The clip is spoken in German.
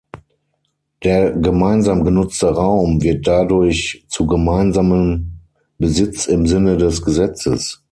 Der gemeinsam genutzte Raum wird dadurch zu gemeinsamem Besitz im Sinne des Gesetzes.